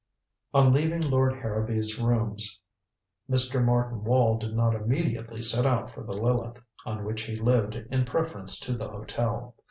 On leaving Lord Harrowby's rooms, Mr. Martin Wall did not immediately set out for the Lileth, on which he lived in preference to the hotel.